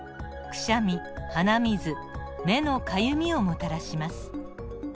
くしゃみ鼻水目のかゆみをもたらします。